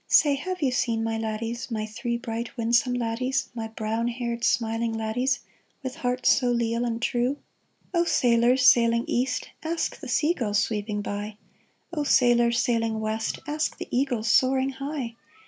Say, have you seen my laddies, My three bright, winsome laddies, My brown haired, smiling laddies, With hearts so leal and true ? O sailors sailing east, Ask the sea gulls sweeping by ; O sailors sailing west. Ask the eagles soaring high.